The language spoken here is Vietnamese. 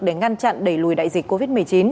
để ngăn chặn đẩy lùi đại dịch covid một mươi chín